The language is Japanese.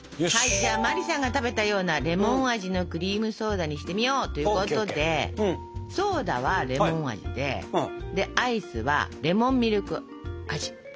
じゃあ茉莉が食べたようなレモン味のクリームソーダにしてみよということでソーダはレモン味ででアイスはレモンミルク味にしましょうか。